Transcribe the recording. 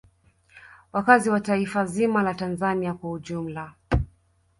Wakazi wa taifa zima la Tanzania kwa ujumla